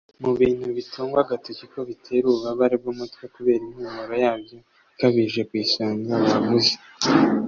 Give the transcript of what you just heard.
Mu bintu bitungwa agatoki ko bitera ububabare bw’umutwe kubera impumuro yabyo ikabije ku isonga bavuze